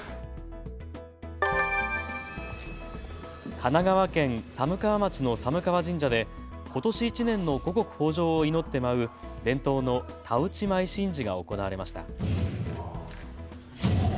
神奈川県寒川町の寒川神社でことし１年の五穀豊じょうを祈って舞う伝統の田打舞神事が行われました。